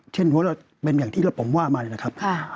หัวเราเป็นอย่างที่ผมว่ามาเลยนะครับ